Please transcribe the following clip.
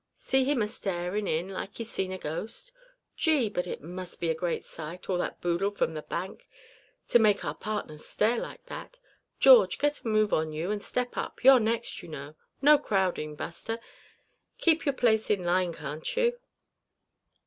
See him a starin' in like he seen a ghost. Gee! but it must be a great sight, all that boodle from the bank, to make our partner stare like that. George, get a move on you, and step up. You're next, you know. No crowdin', Buster. Keep your place in line, can't you?"